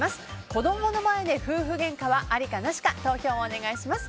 子供の前で夫婦げんかありか、なしか投票をお願いします。